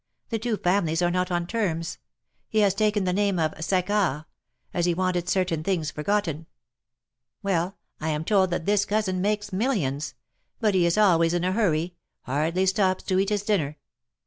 The two families are not on terms. He has taken the name of Saccard — as he wanted certain things forgotten. Well, I am told that this cousin makes millions; but he is always in a hurry — hardly stops to eat his dinner.